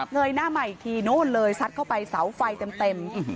ยหน้าใหม่อีกทีนู่นเลยซัดเข้าไปเสาไฟเต็ม